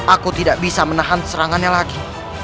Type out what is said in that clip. aku tidak bisa menahan serangannya lagi